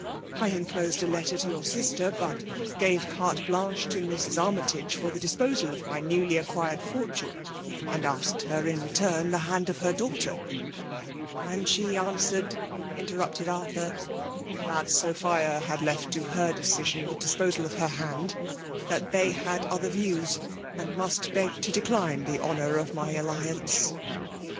I enclosed a letter *to your sister ; but gave carte blanehe to Mrs. Army ' i«ge for the disposal of my newiy acqttired fortune^ and asked her in return the hand of her daughter." And she answered/' interrupted Arthur — That Sophia had left to her decision the disposal of her hand; that they had other Views; and must beg to decline the honour of my alliance."